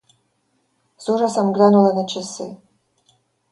С ужасом глянула на часы.